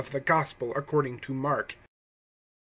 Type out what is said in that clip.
THE GOSPEL ACCORDING TO MARK. I.